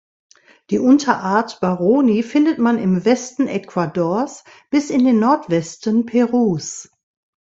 Die Unterart "baroni" findet man im Westen Ecuadors bis in den Nordwesten Perus.